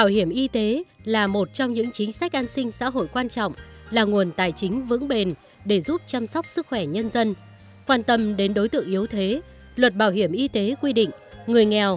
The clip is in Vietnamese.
hãy đăng ký kênh để ủng hộ kênh của chúng mình nhé